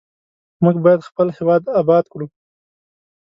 موږ باید خپل هیواد آباد کړو.